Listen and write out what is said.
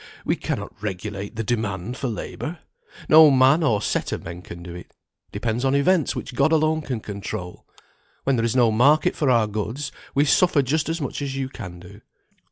We cannot regulate the demand for labour. No man or set of men can do it. It depends on events which God alone can control. When there is no market for our goods, we suffer just as much as you can do."